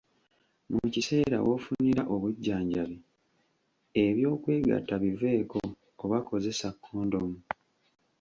Mu kiseera w’ofunira obujjanjabi, eby'okwegatta biveeko oba kozesa kondomu.